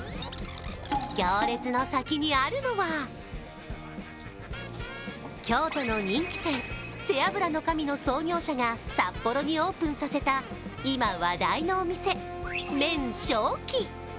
行列の先にあるのは京都の人気店、セアブラノ神の創業者が札幌にオープンさせた今話題のお店、麺鐘馗。